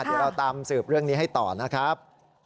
เดี๋ยวเราตามสืบเรื่องนี้ให้ต่อนะครับ